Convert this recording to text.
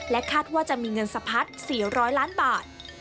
คาดว่าจะมีเงินสะพัด๔๐๐ล้านบาท